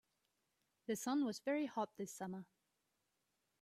The sun was very hot this summer.